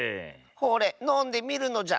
ほれのんでみるのじゃ。